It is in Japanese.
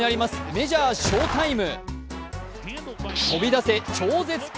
メジャーショータイム。